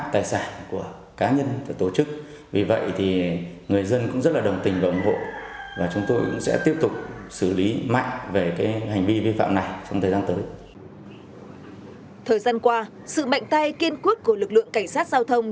thời gian qua sự mạnh tay kiên quốc của lực lượng cảnh sát giao thông